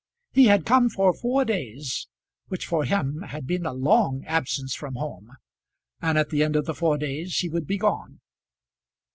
He had come for four days, which for him had been a long absence from home, and at the end of the four days he would be gone.